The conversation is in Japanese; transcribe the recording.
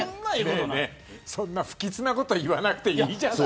そんな不吉なこと言わなくていいじゃない。